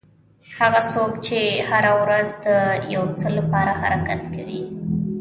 هغه څوک چې هره ورځ د یو څه لپاره حرکت کوي.